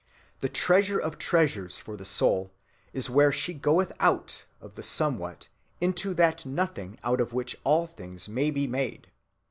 The treasure of treasures for the soul is where she goeth out of the Somewhat into that Nothing out of which all things may be made.